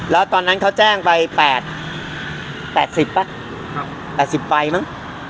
แล้วตอนนั้นเขาแจ้งไปแปดแปดสิบป่ะครับแปดสิบไปมั้ง